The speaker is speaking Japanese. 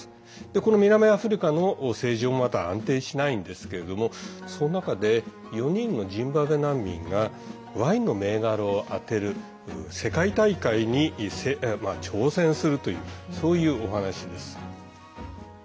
この南アフリカの政治もまた安定しないんですけれどもその中で４人のジンバブエ難民がワインの銘柄を当てる世界大会に挑戦するというそういうお話です。